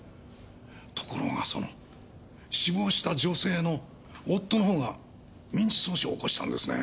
ところがその死亡した女性の夫の方が民事訴訟を起こしたんですねぇ。